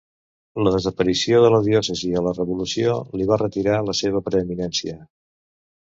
La desaparició de la diòcesi a la Revolució li va retirar la seva preeminència.